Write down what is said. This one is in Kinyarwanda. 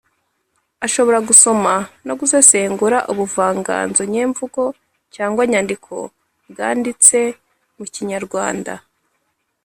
ashobora gusoma no gusesengura ubuvanganzo nyemvungo cyangwa nyandiko bwanditse mu kinyarwanda;